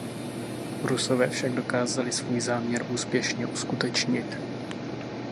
Rusové však dokázali svůj záměr úspěšně uskutečnit.